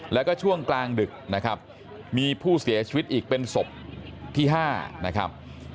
แล้วก็ช่วงกลางดึกนะครับมีผู้เสียชีวิตอีกเป็นศพที่๕นะครับ